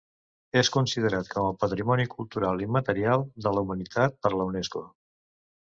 És considerat com a Patrimoni Cultural Immaterial de la Humanitat per la Unesco.